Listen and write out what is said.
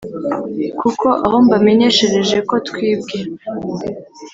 kuko aho mbamenyeshereje ko twibwe